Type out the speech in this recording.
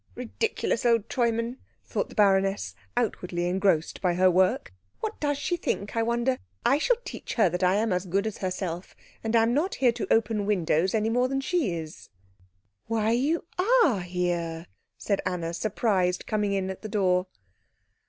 "Ridiculous old Treumann," thought the baroness, outwardly engrossed by her work. "What does she think, I wonder? I shall teach her that I am as good as herself, and am not here to open windows any more than she is." "Why, you are here," said Anna, surprised, coming in at the door.